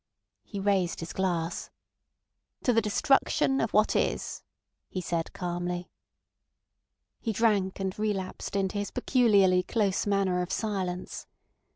He raised his glass. "To the destruction of what is," he said calmly. He drank and relapsed into his peculiarly close manner of silence.